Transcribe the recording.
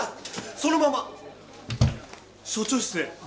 そのまま署長室へどうぞ。